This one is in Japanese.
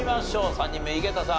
３人目井桁さん